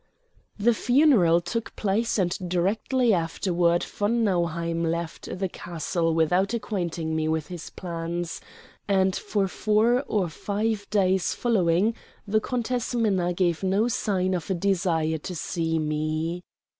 The funeral took place and directly afterward von Nauheim left the castle without acquainting me with his plans; and for four or five days following the Countess Minna gave no sign of a desire to see me.